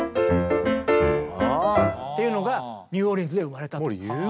っていうのがニューオーリンズで生まれたと。